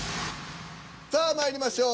さあまいりましょう。